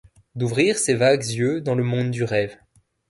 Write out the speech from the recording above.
D’ouvrir ses vagues yeux dans le monde du rêve.